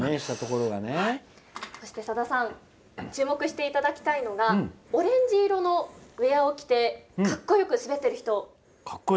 そして、さださん注目していただきたいのがオレンジ色のウエアを着てかっこよく滑っている人。